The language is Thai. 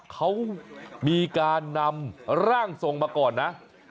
เขามีการนำร่างทรงมาก่อนนะ